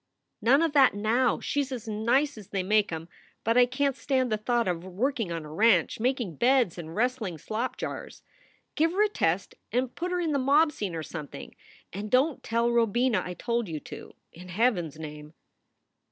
"None of that, now! She s as nice as they make em. But I can t stand the thought of her working on a ranch, making beds and wrestling slop jars. Give her a test and put her in the mob scene or something. And don t tell Robina I told you to, in Heaven s name."